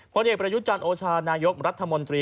ผลเอกประยุจันทร์โอชานายกรัฐมนตรี